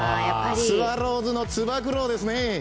スワローズのつば九郎ですね。